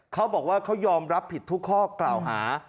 เขาบอกว่าเขายอมรับผิดทุกข้อกล่าวหา